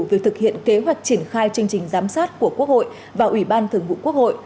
việc thực hiện kế hoạch triển khai chương trình giám sát của quốc hội và ủy ban thường vụ quốc hội